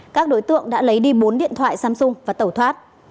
các đối tượng đã lấy đi bốn điện thoại samsung và tẩu thoát